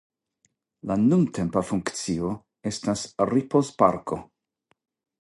La nuntempa funkcio estas ripozparko.